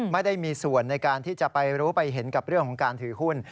ไม่ได้มีส่วนในการที่จะไปรู้ไปเห็นกับเรื่องของการถือหุ้น